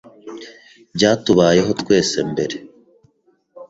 Byatubayeho twese mbere.